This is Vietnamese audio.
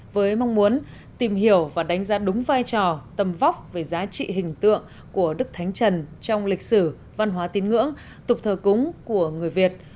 với mong muốn tìm hiểu và đánh giá đúng vai trò tầm vóc về giá trị hình tượng của đức thánh trần trong lịch sử văn hóa tín ngưỡng tục thờ cúng của người việt